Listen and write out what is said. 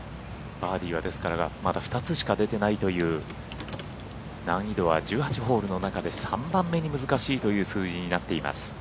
バーディーはまだ２つしか出てないという難易度は１８ホールの中で３番目に難しいという数字になっています。